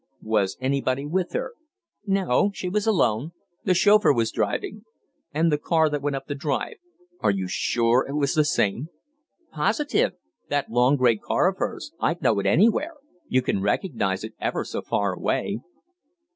"Was anybody with her?" "No, she was alone the chauffeur was driving." "And the car that went up the drive, are you sure it was the same?" "Positive that long grey car of hers, I'd know it anywhere; you can recognize it ever so far away."